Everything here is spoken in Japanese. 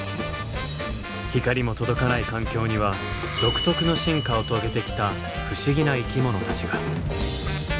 光も届かない環境には独特の進化を遂げてきた不思議な生き物たちが。